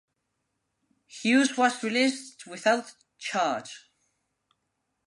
Hughes was released without charge.